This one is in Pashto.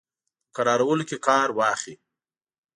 په کرارولو کې کار واخلي.